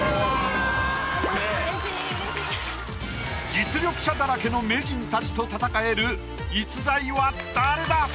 実力者だらけの名人たちと戦える逸材は誰だ